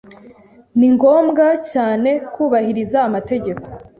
Ni ngombwa cyane kubahiriza amategeko.